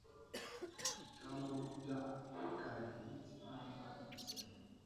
Kal wɔ daʼ gay ri ti ɓaŋ hadge se no.